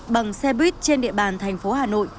bằng xe buýt trên địa bàn tp hà nội